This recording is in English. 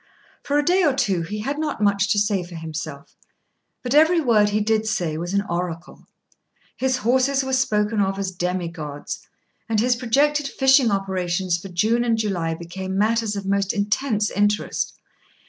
For a day or two he had not much to say for himself; but every word he did say was an oracle. His horses were spoken of as demigods, and his projected fishing operations for June and July became matters of most intense interest.